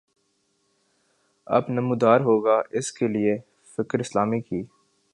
اب نمودار ہوگا اس کے لیے فکر اسلامی کی